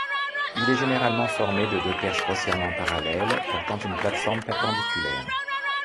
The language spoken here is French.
Il est généralement formé de deux perches grossièrement parallèles, portant une plate-forme perpendiculaire.